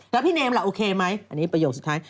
แล้วพี่เนมล่ะโอเคไหมอันนี้ประโยคสุดท้าย